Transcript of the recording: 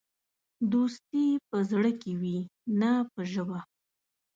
دوستي په زړه کې وي، نه په ژبه.